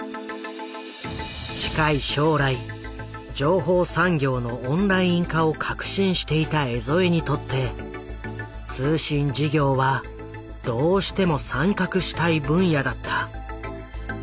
近い将来情報産業のオンライン化を確信していた江副にとって通信事業はどうしても参画したい分野だった。